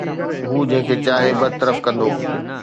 هو جنهن کي چاهي برطرف ڪندو